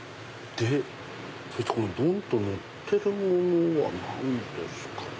そしてこのどん！とのってるものは何ですかね。